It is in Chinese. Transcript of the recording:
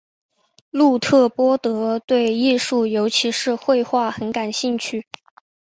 路特波德对艺术尤其是绘画很感兴趣。